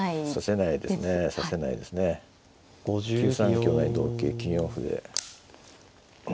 香成同桂９四歩で。